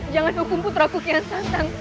jangan hukum putraku kian santang